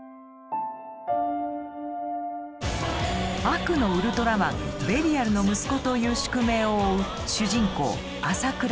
悪のウルトラマンベリアルの息子という宿命を負う主人公朝倉